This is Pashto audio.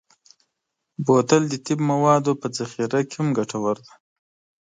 بوتل د طب موادو په ذخیره کې هم ګټور دی.